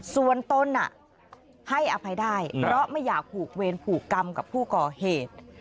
ส่วนตนให้อภัยได้เพราะไม่อยากผูกเวรผูกกรรมกับผู้ก่อเหตุ